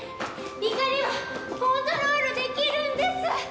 怒りはコントロールできるんです！